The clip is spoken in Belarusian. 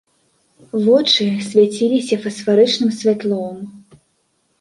Вочы свяціліся фасфарычным святлом.